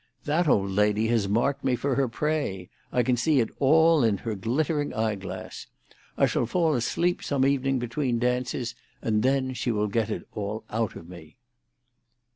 That old lady has marked me for her prey: I can see it in her glittering eyeglass. I shall fall asleep some evening between dances, and then she will get it all out of me."